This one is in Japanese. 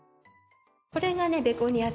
これがね